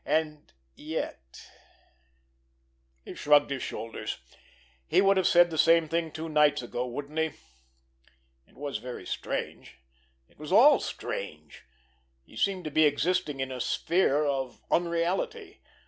And yet—— He shrugged his shoulders. He would have said the same thing two nights ago, wouldn't he? It was very strange! It was all strange! He seemed to be existing in a sphere of unreality.